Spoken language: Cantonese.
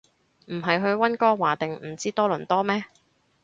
唔係去溫哥華定唔知多倫多咩